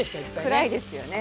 暗いですよね。